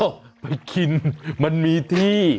ไปกินมันมีที่